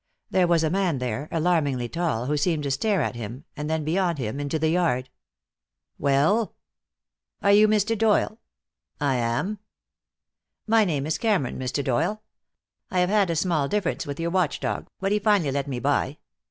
There was a man there, alarmingly tall, who seemed to stare at him, and then beyond him into the yard. "Well?" "Are you Mr. Doyle?" "I am." "My name is Cameron, Mr. Doyle. I have had a small difference with your watch dog, but he finally let me by."